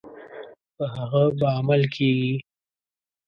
په هغه به عمل کیږي.